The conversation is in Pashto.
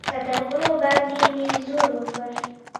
سترغلو باندې مې زور وکړ.